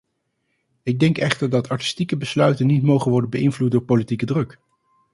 Ik denk echter dat artistieke besluiten niet mogen worden beïnvloed door politieke druk.